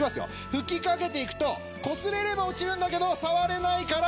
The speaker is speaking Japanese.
吹きかけていくとこすれれば落ちるんだけど触れないから。